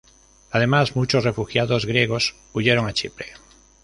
Además, muchos refugiados griegos huyeron a Chipre.